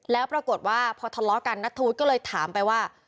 แล้วปรากฏว่าพอทะเลาะกันนัทธวุฒิก็เลยถามไปว่า